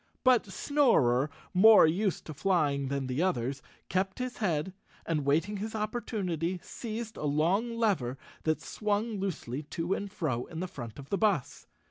But Snorer, more used to flying than the others, kept his head and, waiting his opportunity, seized a long lever that swung loosely to and fro in the front of the bus.